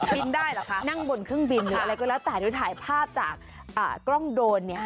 ได้เหรอคะนั่งบนเครื่องบินหรืออะไรก็แล้วแต่หรือถ่ายภาพจากกล้องโดรนเนี่ย